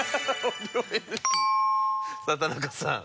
さあ田中さん。